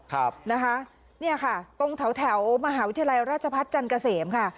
ตรงแถวมหาวิทยาลัยราชพัฒน์จันทร์เกษมค่ะ